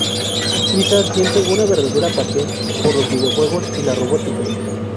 Issa siente una verdadera pasión por los videojuegos y la robótica.